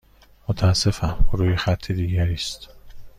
متاسفم، او روی خط دیگری است.